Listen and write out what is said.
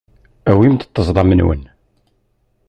Awim-d ṭṭezḍam-nwen.